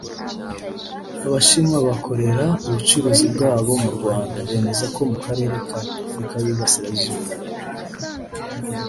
Abashinwa bakorera ubucuruzi bwabo mu Rwanda bemeza ko mu Karere ka Afurika y’Uburasirazuba